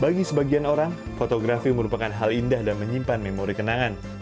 bagi sebagian orang fotografi merupakan hal indah dan menyimpan memori kenangan